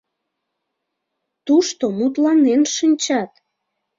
Тушто мутланен шинчат.